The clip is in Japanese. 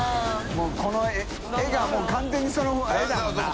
もうこの絵がもう完全にその絵だもんな。